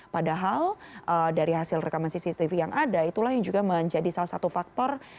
padahal dari hasil rekaman cctv yang ada itulah yang juga menjadi salah satu faktor